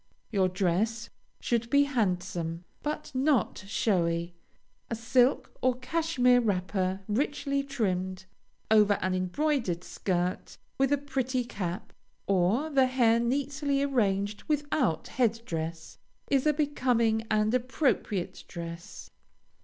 Your dress should be handsome, but not showy. A silk or cashmere wrapper, richly trimmed, over an embroidered skirt, with a pretty cap, or the hair neatly arranged without head dress, is a becoming and appropriate dress.